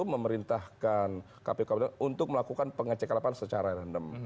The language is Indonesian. memerintahkan kpu kpu untuk melakukan pengecek lapangan secara random